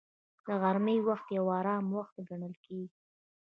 د غرمې وخت یو آرام وخت ګڼل کېږي